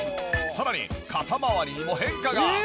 さらに肩まわりにも変化が。